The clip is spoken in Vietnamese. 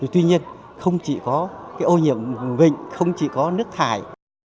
tuy nhiên không chỉ có ô nhiễm môi trường không chỉ có nước thải